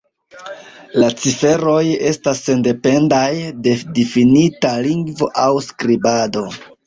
La ciferoj estas sendependaj de difinita lingvo aŭ skribado.